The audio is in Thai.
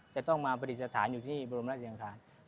จะต้องมาปฏิสถานอยู่ที่นี่บรรมราชศรีรางคาร